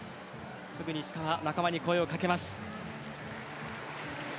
すぐに石川が仲間に声を掛けます。